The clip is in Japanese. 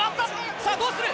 さぁどうする？